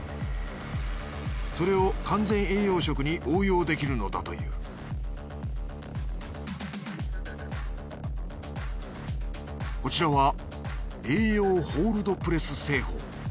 それを完全栄養食に応用できるのだというこちらは栄養ホールドプレス製法。